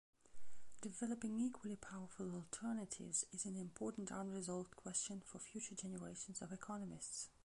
Developing equally powerful alternatives is an important unresolved question for future generations of economists.